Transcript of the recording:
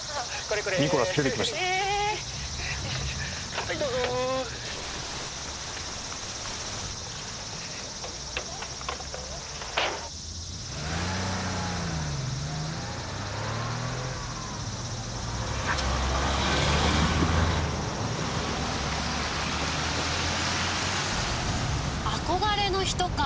「はいどうぞ」憧れの人か。